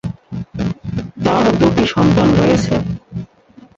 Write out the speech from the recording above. তার দুটি সন্তান রয়েছে।